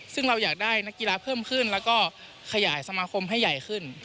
ซึ่งเราอยากได้นักกีฬาเพิ่มขึ้นแล้วก็ขยายสมาคมให้ใหญ่ขึ้น